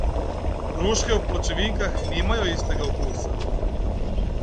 Hruške v pločevinkah nimajo istega okusa.